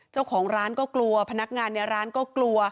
เจ้าของร้านก็กลัวพนักงานในร้านก็กลัว